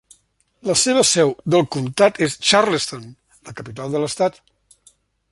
La seva seu del comtat és Charleston, la capital de l'estat.